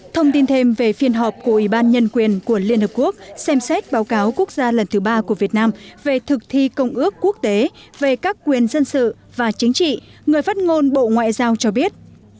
thông tin thêm về phiên họp của ủy ban nhân quyền của liên hợp quốc xem xét báo cáo quốc gia lần thứ ba của việt nam về thực thi công ước quốc tế về các quyền dân sự và chính trị người phát ngôn bộ ngoại giao cho biết